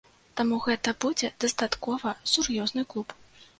Таму гэта будзе дастаткова сур'ёзны клуб.